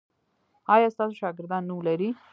ایا ستاسو شاګردان نوم لری؟